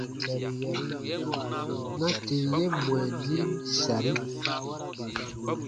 Na tìm ye mwɛ nim sari :